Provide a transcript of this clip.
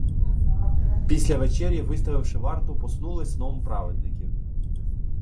Після вечері, виставивши варту, поснули сном праведників.